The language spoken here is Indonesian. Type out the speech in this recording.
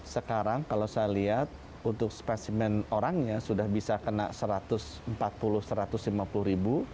sekarang kalau saya lihat untuk spesimen orangnya sudah bisa kena satu ratus empat puluh satu ratus lima puluh ribu